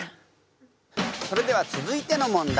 それでは続いての問題